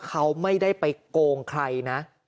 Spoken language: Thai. เขาไม่ได้ไปโกงใครนะ